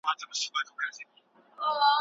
ښځو د جنسي تبعیض او ناروا چلند پر ضد مبارزه وکړه.